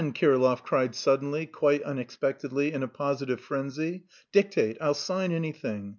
Kirillov cried suddenly, quite unexpectedly, in a positive frenzy. "Dictate; I'll sign anything.